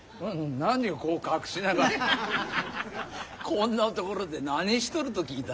こんな所で何しとると聞いた。